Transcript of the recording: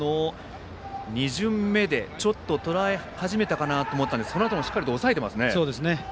２巡目でちょっととらえ始めたかと思ったんですがそのあともしっかり抑えていますね。